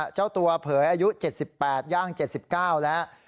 เจ้าตัวเผยอายุ๗๘ย่าง๗๙แล้ว